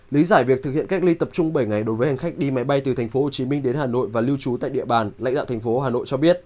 lý giải việc thực hiện cách ly tập trung bảy ngày đối với hành khách đi máy bay từ tp hcm đến hà nội và lưu trú tại địa bàn lãnh đạo tp hcm cho biết